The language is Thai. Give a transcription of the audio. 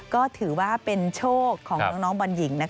ก็ถือว่าเป็นโชคของน้องบอลหญิง